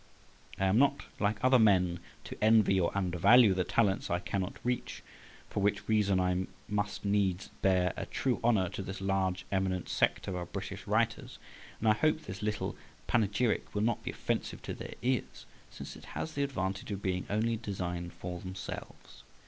I am not, like other men, to envy or undervalue the talents I cannot reach, for which reason I must needs bear a true honour to this large eminent sect of our British writers. And I hope this little panegyric will not be offensive to their ears, since it has the advantage of being only designed for themselves.